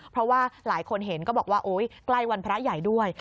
เพราะว่าหลายคนเห็นก็บอกว่าโอ๊ยใกล้วันพระใหญ่ด้วย